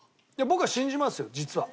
僕は信じますよ実は。